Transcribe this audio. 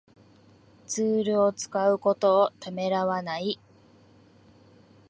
ツールを使うことをためらわない